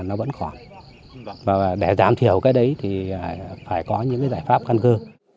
nó vẫn còn và để giảm thiểu cái đấy thì phải có những cái giải pháp căn cơ